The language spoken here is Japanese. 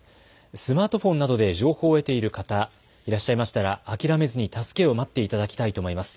スマートフォンなどで情報を得ている方、いらっしゃいましたら諦めずに助けを待っていただきたいと思います。